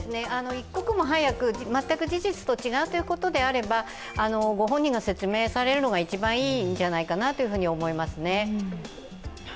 一刻も早く、全く事実と違うということであればご本人が説明されるのが一番いいんじゃないかなと思いますね。